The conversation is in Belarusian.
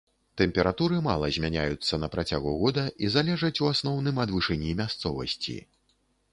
Тэмпературы мала змяняюцца на працягу года і залежаць у асноўным ад вышыні мясцовасці.